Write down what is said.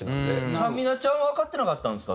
ちゃんみなちゃんはわかってなかったんですか？